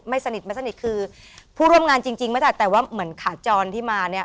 ไม่สนิทไม่สนิทคือผู้ร่วมงานจริงไม่ได้แต่ว่าเหมือนขาจรที่มาเนี่ย